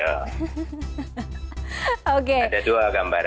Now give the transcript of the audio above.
yang nggak paham menduga saya sekian